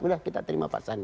udah kita terima pak sandi